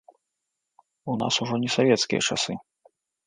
У нас ужо не савецкія часы.